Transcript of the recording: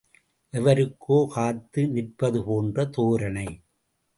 எவருக்கோ காத்து நிற்பதுபோன்ற தோரணை.